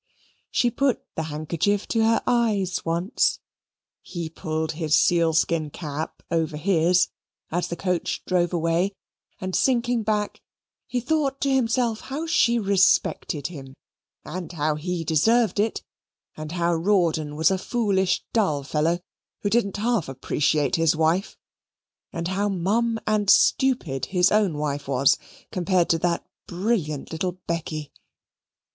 She put the handkerchief to her eyes once. He pulled his sealskin cap over his, as the coach drove away, and, sinking back, he thought to himself how she respected him and how he deserved it, and how Rawdon was a foolish dull fellow who didn't half appreciate his wife; and how mum and stupid his own wife was compared to that brilliant little Becky.